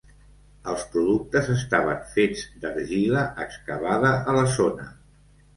Els productes estaven fets d'argila excavada a la zona.